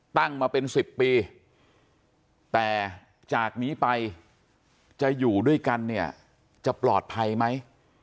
ตั้งมาเป็น๑๐ปีแต่จากนี้ไปจะอยู่ด้วยกันเนี่ยจะปลอดภัยไหม